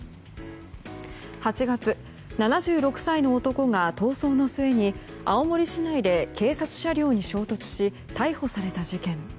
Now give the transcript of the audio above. ８月、７６歳の男が逃走の末に青森市内で警察車両に衝突し逮捕された事件。